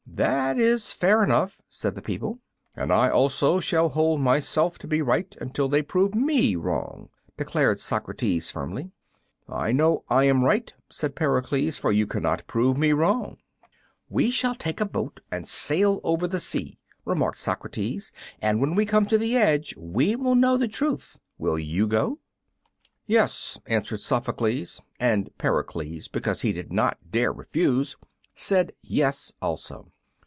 "That is fair enough," said the people. "And I also shall hold myself to be right until they prove me wrong," declared Socrates, firmly. "I know I am right," said Pericles, "for you cannot prove me wrong." "We can take a boat and sail over the sea," remarked Socrates, "and when we come to the edge we will know the truth. Will you go?" "Yes," answered Sophocles; and Pericles, because he did not dare refuse, said "Yes" also.